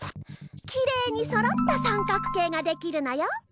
きれいにそろったさんかく形ができるのよ。